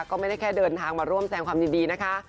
ก็ไม่ได้แค่เดินทางมาร่วมแสงความยินดีนะคะ